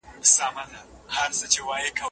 زه هره ورځ د سبا لپاره د لغتونو زده کړه کوم.